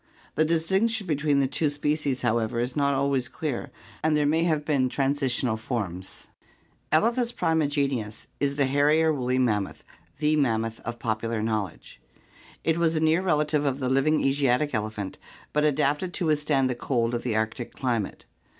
The distinction between the two species, however, is not always clear and there may have been transitional forms. Elephas primigenius (Fig. 208) is the hairy or woolly mammoth, the mammoth of popular knowledge. It was a near relative of the living Asiatic elephant, but adapted to withstand the cold of the Arctic climate.